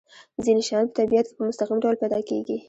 ځینې شیان په طبیعت کې په مستقیم ډول پیدا کیږي.